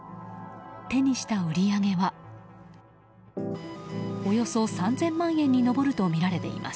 手にした売り上げはおよそ３０００万円に上るとみられています。